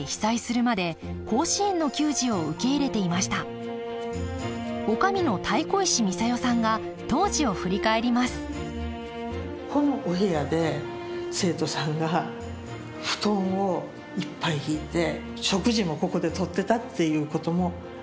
このお部屋で生徒さんが布団をいっぱい敷いて食事もここでとってたっていうこともあります。